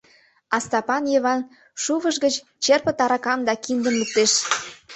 А Стапан Йыван шувыш гыч черпыт аракам да киндым луктеш.